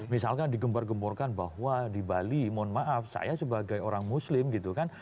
misalkan digembar gemborkan bahwa di bali mohon maaf saya sebagai orang muslim gitu kan